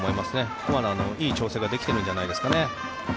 ここまで、いい調整ができてるんじゃないですかね。